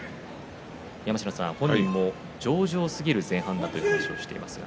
山科さん、本人も上々すぎる前半だと話していました。